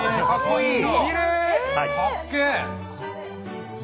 きれい！